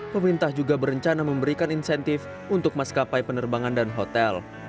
pemerintah juga berencana memberikan insentif untuk maskapai penerbangan dan hotel